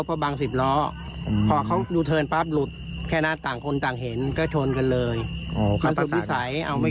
พร้อมประมาณ๘๐๙๐อยู่บางพาย์นี้